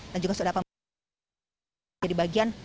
dan juga sudah pemulakan